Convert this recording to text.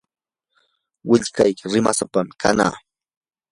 willkayki rimaysapam kanaq.